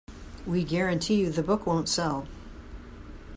We guarantee you the book won't sell.